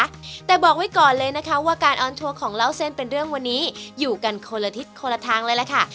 แต่บอกไว้ก่อนเลยนะคะว่าการออนทัวร์ของเล่าเส้นเป็นเรื่องวันนี้อยู่กันคนละทิศคนละทางเลยล่ะค่ะ